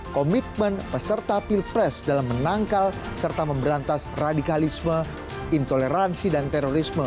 komitmen peserta pilpres dalam menangkal serta memberantas radikalisme intoleransi dan terorisme